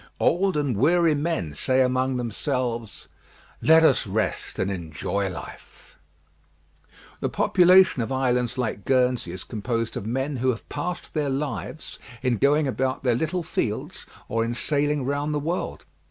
Old and weary men say among themselves, "Let us rest and enjoy life." The population of islands like Guernsey is composed of men who have passed their lives in going about their little fields or in sailing round the world.